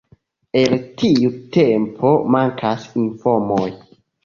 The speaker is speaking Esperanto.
El tiu tempo mankas informoj.